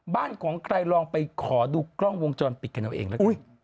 บ้านของใครลองไปขอดูกล้องวงจรปิดกันเอาเองแล้วกัน